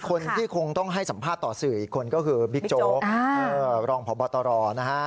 คนที่คงต้องให้สัมภาษณ์ต่อสื่ออีกคนก็คือบิ๊กโจ๊กรองพบตรนะฮะ